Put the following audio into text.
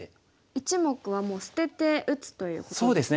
１目はもう捨てて打つということですね。